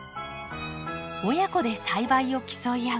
親子で栽培を競い合う。